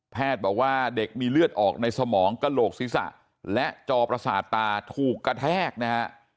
บอกว่าเด็กมีเลือดออกในสมองกระโหลกศีรษะและจอประสาทตาถูกกระแทกนะฮะ